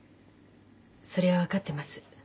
それは分かってます。